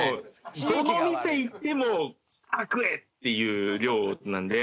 どの店行っても「さあ食え！」っていう量なんで。